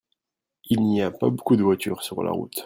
Il n'y a pas beaucoup de voitures sur la route.